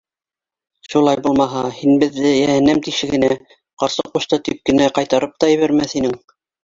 Шулай булмаһа һин беҙҙе йәһәннәм тишегенә, ҡарсыҡ ҡушты тип кенә, ҡайтарып та ебәрмәҫ инең.